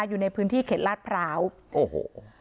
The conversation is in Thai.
อยู่ในพื้นที่เขตลาดพร้าวโอ้โห